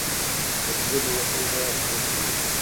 تدبیر مې وسنجاوه او پرېکړه مې وکړه.